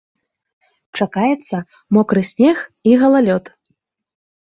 Чакаецца мокры снег і галалёд.